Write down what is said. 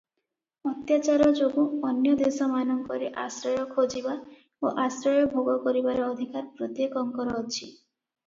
ଅତ୍ୟାଚାର ଯୋଗୁ ଅନ୍ୟ ଦେଶମାନଙ୍କରେ ଆଶ୍ରୟ ଖୋଜିବା ଓ ଆଶ୍ରୟ ଭୋଗକରିବାର ଅଧିକାର ପ୍ରତ୍ୟେକଙ୍କର ଅଛି ।